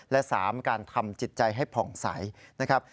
และ๓การทำจิตใจให้ผ่องใสนะครับ